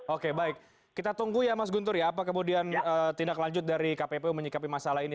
oke baik kita tunggu ya mas guntur ya apa kemudian tindak lanjut dari kppu menyikapi masalah ini